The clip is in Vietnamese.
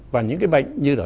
và những cái bệnh như là